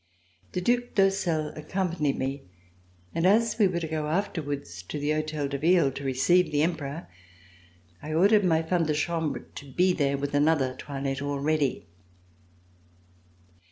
The Due d'Ursel ac companied me, and as we were to go afterwards to the Hotel de Ville to receive the Emperor, I ordered my femme de chambre to be there with another toilette all ready.